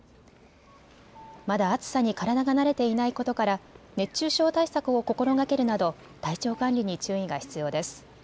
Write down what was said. まだ暑さに体が慣れていないことから熱中症対策を心がけるなど体調管理に注意が必要です。